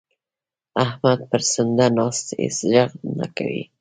احمد پړسنده ناست؛ هيڅ ږغ نه کوي.